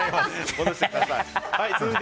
戻してください。